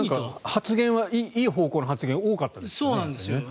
発言はいい方向の発言が多かったですよね。